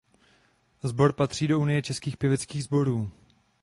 Sbor patří do unie českých pěveckých sborů.